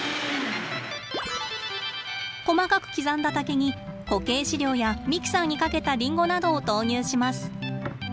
細かく刻んだ竹に固形飼料やミキサーにかけたリンゴなどを投入します。